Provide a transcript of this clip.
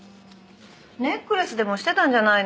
ネックレスでもしてたんじゃないの？